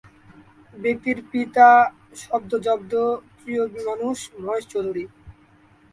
ব্যক্তির পিতা শব্দ-জব্দ প্রিয় মানুষ মহেশ চৌধুরী।